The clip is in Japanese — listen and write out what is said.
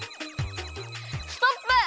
ストップ！